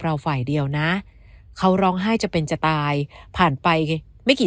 ฝ่ายเดียวนะเขาร้องไห้จะเป็นจะตายผ่านไปไม่กี่